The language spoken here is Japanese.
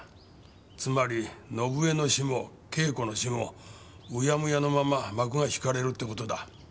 つまり伸枝の死も恵子の死もうやむやのまま幕が引かれるって事だ。